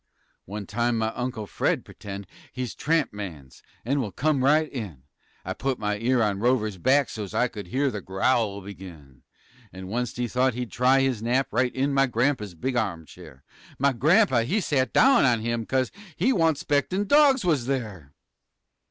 One time my Uncle Fred p'tend He's "tramp mans" an' will come right in; I put my ear on Rover's back So's I could hear th' growl begin. An' oncet he thought he'd try his nap Right in my grampa's big armchair. My grampa, he sat down on him, 'Cause "he wa'n't 'spectin' dogs was there."